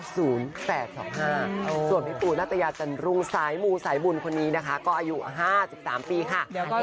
ส่วนพี่ปูนัตยาจันรุงสายมูสายบุญคนนี้นะคะก็อายุ๕๓ปีค่ะ